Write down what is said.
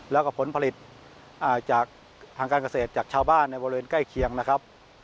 แล้วก็ผลผลิตจากทางการเกษตรจากชาวบ้านในบริเวณใกล้เคียงนะครับ